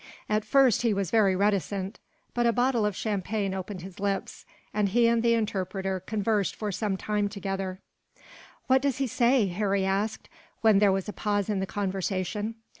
At first he was very reticent; but a bottle of champagne opened his lips, and he and the interpreter conversed for some time together. "What does he say?" Harry asked, when there was a pause in the conversation.